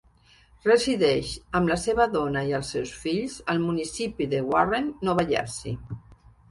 Resideix amb la seva dona i els seus fills al municipi de Warren, Nova Jersey.